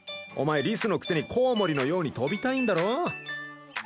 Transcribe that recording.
お前リスのくせにコウモリのように飛びたいんだろ？